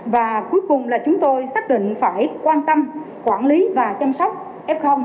và cuối cùng là chúng tôi xác định phải quan tâm quản lý và chăm sóc f